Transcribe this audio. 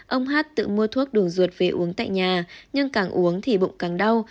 ông hát tự mua thuốc đường ruột về uống tại nhà nhưng càng uống thì bụng càng đau